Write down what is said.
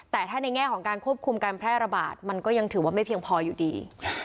แต่ถ้าในแง่ของการควบคุมการแพร่ระบาดมันก็ยังถือว่าไม่เพียงพออยู่ดี